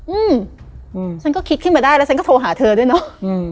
อืมฉันก็คิดขึ้นมาได้แล้วฉันก็โทรหาเธอด้วยเนอะอืม